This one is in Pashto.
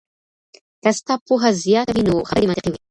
که ستا پوهه زياته وي نو خبري دې منطقي وي.